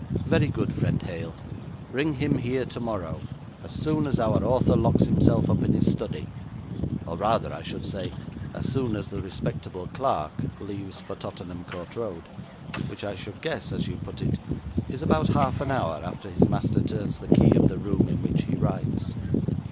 'Very good, friend Hale, bring him here tomorrow, as soon as our author locks himself up in his study, or rather, I should say, as soon as the respectable clerk leaves for Tottenham Court Road, which I should guess, as you put it, is about half an hour after his master turns the key of the room in which he writes.'